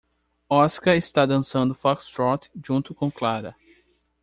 Oscar está dançando foxtrot junto com Clara.